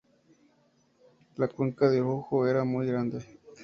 La cuenca del ojo era muy grande.